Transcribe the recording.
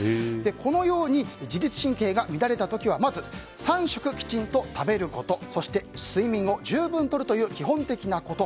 このように自律神経が乱れた時はまず３食きちんと食べることそして、睡眠を十分とるという基本的なこと。